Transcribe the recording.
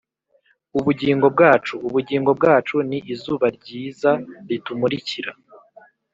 ubugingo bwacu: ubugingo bwacu ni izuba ryiza ritumurikira